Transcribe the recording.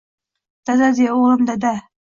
- Dada de, o'g'lim, dada!